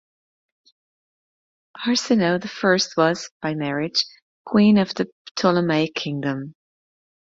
Arsinoe the First was, by marriage, Queen of the Ptolemaic Kingdom.